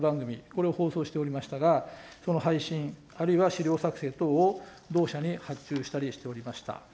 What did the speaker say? これを放送しておりましたが、その配信、あるいは資料作成等を同社に発注したりしておりました。